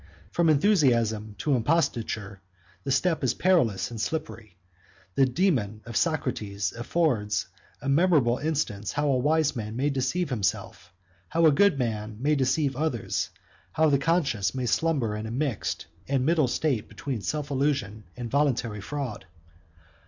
154 From enthusiasm to imposture, the step is perilous and slippery: the daemon of Socrates 155 affords a memorable instance, how a wise man may deceive himself, how a good man may deceive others, how the conscience may slumber in a mixed and middle state between self illusion and voluntary fraud.